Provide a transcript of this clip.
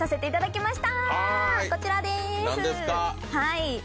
きました！